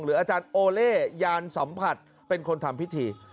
อาจารย์โอเล่ยานสัมผัสเป็นคนทำพิธี